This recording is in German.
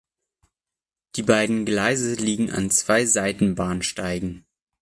Die beiden Gleise liegen an zwei Seitenbahnsteigen.